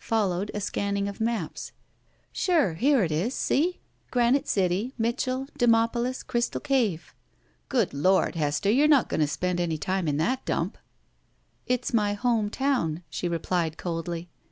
Followed a scanning of maps. "Sure! Here it is! See! Granite City. Mitchell. Demopolis. Crystal Cave." "Good Lord! Hester, you're not going to spend any time in that dump?" "It's my home town," she replied, coldly.